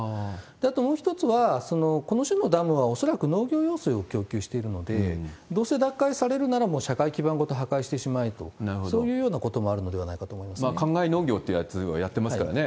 あともう一つは、この種のダムは恐らく農業用水を供給しているので、どうせ奪還されるなら、社会基盤ごと破壊してしまえと、そういうようなこともあるのかなかんがい農業というやつをやってますからね。